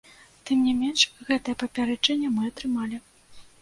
Тым не менш, гэтае папярэджанне мы атрымалі.